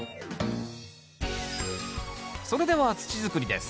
それでは土づくりです。